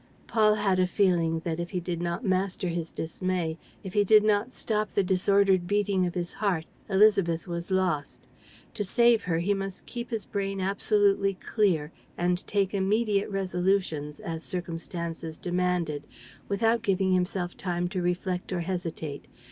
Paul had a feeling that, if he did not master his dismay, if he did not stop the disordered beating of his heart, Élisabeth was lost. To save her, he must keep his brain absolutely clear and take immediate resolutions, as circumstances demanded, without giving himself time to reflect or hesitate.